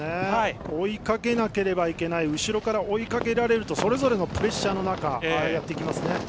追いかけなければいけない後ろから追いかけるとそれぞれのプレッシャーの中ああやっていきますね。